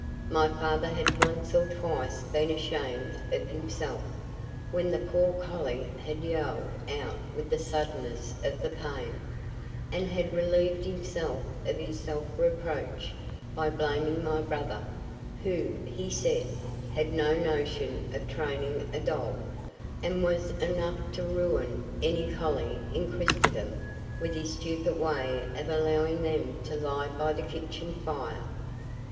My father had once or twice been ashamed of himself, when the poor collie had yowled out with the suddenness of the pain, and had relieved himself of his self reproach by blaming my brother, who, he said, had no notion of training a dog, and was enough to ruin any collie in Christendom with his stupid way of allowing them to lie by the kitchen fire.